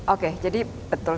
oke jadi betul